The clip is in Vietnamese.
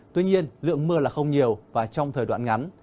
tuy nhiên lượng mưa là không nhiều và trong thời đoạn ngắn